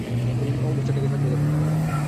অফিসারটাকে সাহায্য কর!